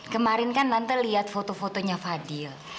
kemarin kan nanti lihat foto fotonya fadil